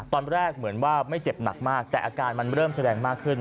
ตอนแรกเหมือนว่าไม่เจ็บหนักมากแต่อาการมันเริ่มแสดงมากขึ้น